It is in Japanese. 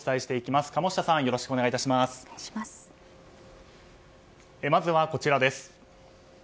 まずはこちらです。